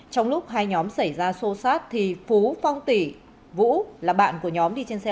trong lúc hai nhóm xảy ra xô xát thì phú phong tỷ vũ là bạn của nhóm đi trên xe